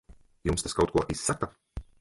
Jums tas kaut ko izsaka?